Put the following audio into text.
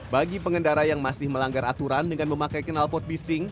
bagi pengendara yang masih melanggar aturan dengan memakai kenalpot bising